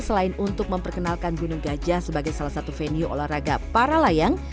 selain untuk memperkenalkan gunung gajah sebagai salah satu venue olahraga para layang